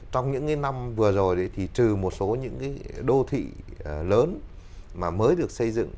trong những năm vừa rồi thì trừ một số những đô thị lớn mà mới được xây dựng